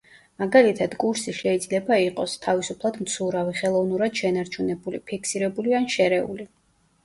მაგალითად კურსი შეიძლება იყოს: თავისუფლად მცურავი, ხელოვნურად შენარჩუნებული, ფიქსირებული ან შერეული.